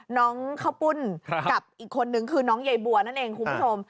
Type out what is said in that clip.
น้องข้าวปุ้นกับอีกคนนึงคือน้องใยบัวนั่นเองคุณผู้ชม